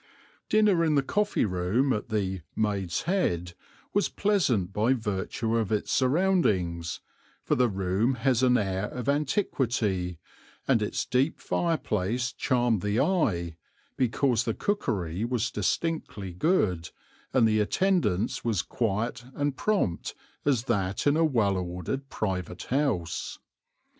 Dinner in the coffee room at the "Maid's Head" was pleasant by virtue of its surroundings, for the room has an air of antiquity, and its deep fireplace charmed the eye, because the cookery was distinctly good, and the attendance was quiet and prompt as that in a well ordered private house.